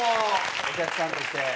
お客さんとして。